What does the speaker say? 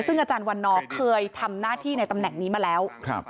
ซึ่งอาจารย์วันนอร์เคยทำหน้าที่ในตำแหน่งนี้มาแล้ว